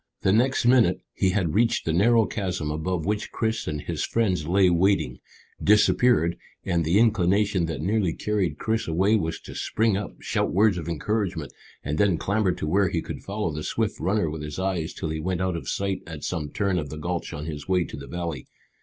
The next minute he had reached the narrow chasm above which Chris and his friends lay waiting, disappeared, and the inclination that nearly carried Chris away was to spring up, shout words of encouragement, and then clamber to where he could follow the swift runner with his eyes till he went out of sight at some turn of the gulch on his way to the valley.